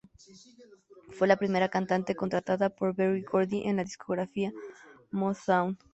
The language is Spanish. Fue la primera cantante contratada por Berry Gordy en la discográfica Motown.